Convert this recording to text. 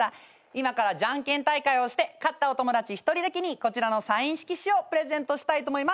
今からじゃんけん大会をして勝ったお友達１人だけにこちらのサイン色紙をプレゼントしたいと思います。